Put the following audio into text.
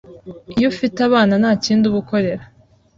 Iyo ufite abana nta kindi uba ukorera